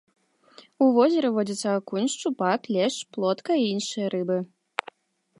У возеры водзяцца акунь, шчупак, лешч, плотка і іншыя рыбы.